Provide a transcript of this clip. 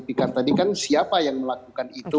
kasus fikar tadi kan siapa yang melakukan itu